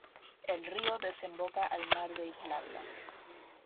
El río desemboca al Mar de Irlanda.